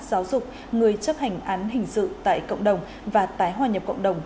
giáo dục người chấp hành án hình sự tại cộng đồng và tái hòa nhập cộng đồng